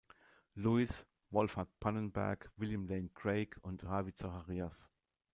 Lewis, Wolfhart Pannenberg, William Lane Craig und Ravi Zacharias.